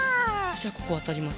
じゃあここわたります。